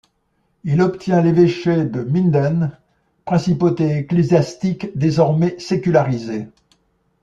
Il obtient l'évêché de Minden, principauté ecclésiastique désormais sécularisée.